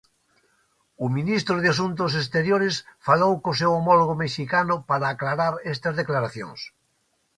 O ministro de Asuntos Exteriores falou co seu homólogo mexicano para aclarar estas declaracións.